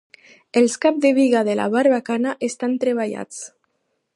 Els caps de biga de la barbacana estan treballats.